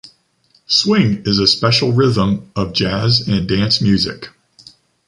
Swing is a special rhythm of Jazz and dance music.